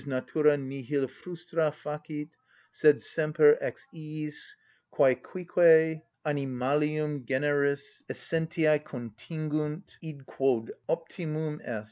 (_Natura nihil frustra facit, sed semper ex iis, quæ cuique animalium generis essentiæ contingunt, id quod optimum est.